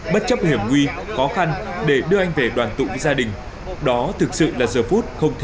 bất chấp hiểm nguy khó khăn để đưa anh về đoàn tụ gia đình